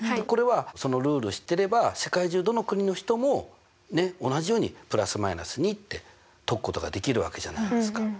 これはそのルールを知ってれば世界中どの国の人も同じように±２って解くことができるわけじゃないですか。